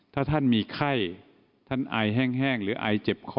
ถ้าท่านมีไข้ท่านอายแห้งหรืออายเจ็บคอ